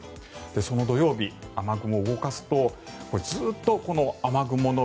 その土曜日、雨雲を動かすとずっと雨雲の帯